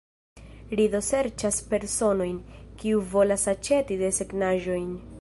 Ri do serĉas personojn, kiu volas aĉeti desegnaĵojn.